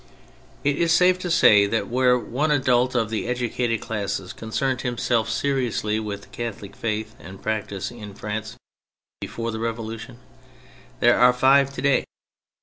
It is safe to say that where one adult of the educated classes concerned himself seriously with the Catholic Faith and Practice in France before the Revolution, there are five to day.